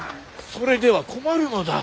それでは困るのだ。